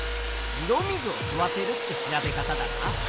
色水を吸わせるって調べ方だな。